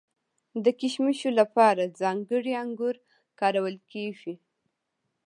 د کشمشو لپاره ځانګړي انګور کارول کیږي.